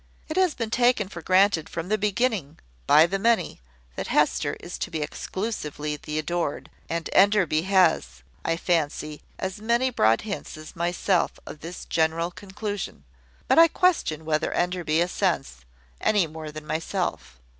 It has been taken for granted from the beginning, by the many, that Hester is to be exclusively the adored; and Enderby has, I fancy, as many broad hints as myself of this general conclusion. But I question whether Enderby assents, any more than myself.